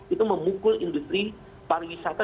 itu memukul industri pariwisata